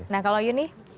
nah kalau yuni